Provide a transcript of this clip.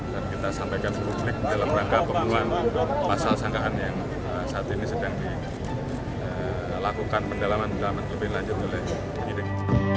dan kita sampaikan publik dalam rangka pemuluhan pasal sangkakan yang saat ini sedang dilakukan pendalaman pendalaman lebih lanjut oleh tim penyidik